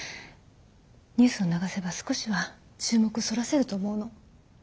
ニュースを流せば少しは注目をそらせると思うの。